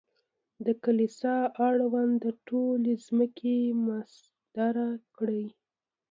د کلیسا اړونده ټولې ځمکې مصادره کړې.